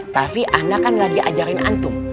tapi anda kan lagi ajarin antum